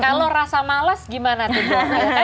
kalau rasa males gimana tuh